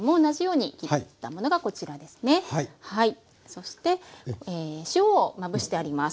そして塩をまぶしてあります